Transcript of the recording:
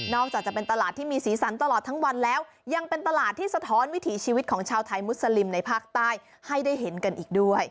จากจะเป็นตลาดที่มีสีสันตลอดทั้งวันแล้วยังเป็นตลาดที่สะท้อนวิถีชีวิตของชาวไทยมุสลิมในภาคใต้ให้ได้เห็นกันอีกด้วย